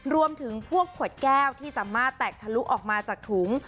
รวมถึงพวกขวดแก้วที่สามารถแตกทะลุออกมาจากถุง